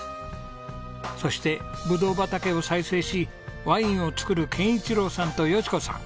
そしてブドウ畑を再生しワインを造る憲一郎さんと淑子さん。